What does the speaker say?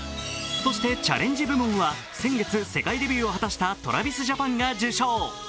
そしてチャレンジ部門は先月世界デビューを果たしたＴｒａｖｉｓＪａｐａｎが受賞。